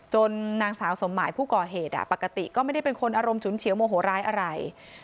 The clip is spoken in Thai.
นางสาวสมหมายผู้ก่อเหตุปกติก็ไม่ได้เป็นคนอารมณ์ฉุนเฉียวโมโหร้ายอะไร